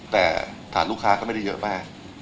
แต่ฐานลูกค้าก็ไม่ได้เยอะมาก